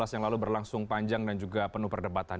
yang lalu berlangsung panjang dan juga penuh perdebatan